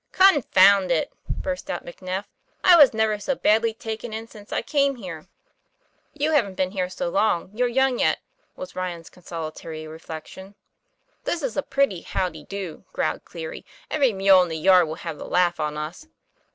" Confound it !" burst forth McNeff. " I was never so badly taken in since I came here." 19 TO M PLAYFAIR. 'You haven't been here so long; you're young yet," was Ryan's consolatory reflection. "This is a pretty how de do," growled Cleary. " Every mule in the yard will have the laugh on us."